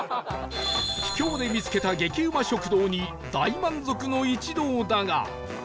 秘境で見つけた激うま食堂に大満足の一同だが